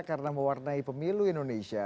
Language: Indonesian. karena mewarnai pemilu indonesia